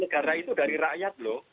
karena itu dari rakyat loh